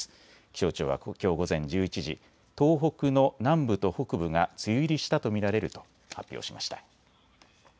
気象庁はきょう午前１１時、東北の南部と北部が梅雨入りしたと見られると発表しました。